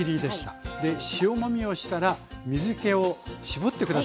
塩もみをしたら水けを絞って下さい。